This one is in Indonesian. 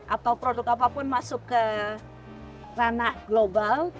atau produk apapun masuk ke ranah global